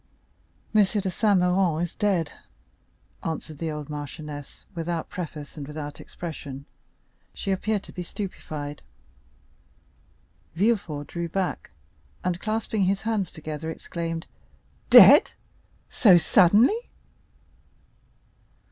"M. de Saint Méran is dead," answered the old marchioness, without preface and without expression; she appeared to be stupefied. Villefort drew back, and clasping his hands together, exclaimed: "Dead!—so suddenly?"